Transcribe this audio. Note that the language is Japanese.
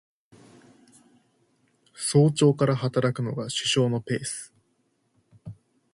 早朝から働くのが首相のペース